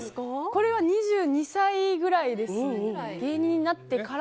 これは２２歳ぐらいです。